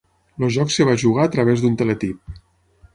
El joc es va jugar a través d'un teletip.